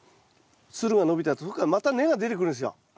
つるが伸びたとこからまた根が出てくるんですよ